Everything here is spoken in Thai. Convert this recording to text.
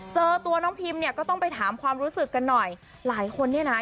เจอตัวน้องพิมเนี่ยก็ต้องไปถามความรู้สึกกันหน่อยหลายคนเนี่ยนะ